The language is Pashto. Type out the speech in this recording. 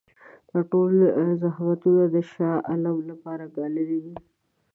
دا ټول زحمتونه د شاه عالم لپاره ګاللي دي.